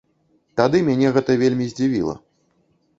Тады мяне гэта вельмі здзівіла.